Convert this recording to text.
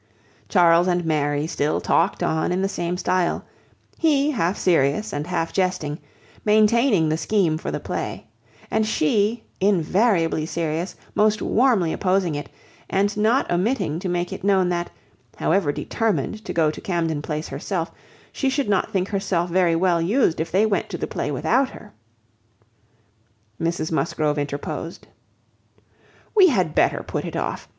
Charles and Mary still talked on in the same style; he, half serious and half jesting, maintaining the scheme for the play, and she, invariably serious, most warmly opposing it, and not omitting to make it known that, however determined to go to Camden Place herself, she should not think herself very well used, if they went to the play without her. Mrs Musgrove interposed. "We had better put it off.